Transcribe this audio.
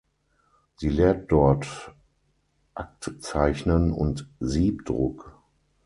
Sie lehrt dort Aktzeichnen und Siebdruck.